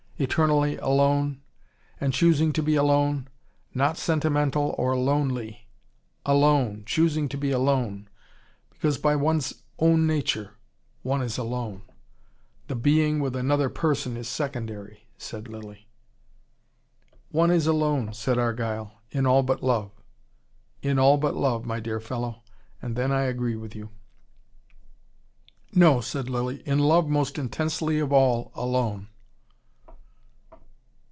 Eternally alone. And choosing to be alone. Not sentimental or LONELY. Alone, choosing to be alone, because by one's own nature one is alone. The being with another person is secondary," said Lilly. "One is alone," said Argyle, "in all but love. In all but love, my dear fellow. And then I agree with you." "No," said Lilly, "in love most intensely of all, alone."